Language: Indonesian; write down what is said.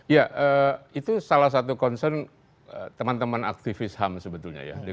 ya itu salah satu concern teman teman aktivis ham sebetulnya ya